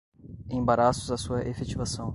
embaraços à sua efetivação